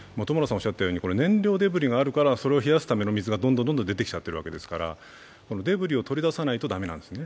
燃料デブリがあるから、それを冷やすための水がどんどん出てきちゃっているわけですからデブリを取り出さないと駄目なんですね。